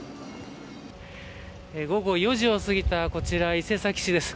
午後４時を過ぎたこちら、伊勢崎市です。